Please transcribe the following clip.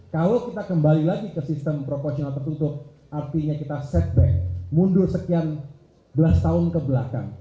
kalau kita kembali lagi ke sistem proporsional tertutup artinya kita setback mundur sekian belas tahun kebelakang